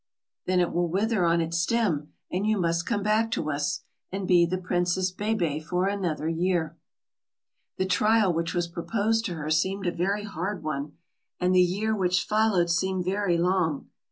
"Then it will wither on its stem, and you must come back to us, and be the Princess Bébè for another year." The trial which was proposed to her seemed a very hard one, and the year which followed seemed very long.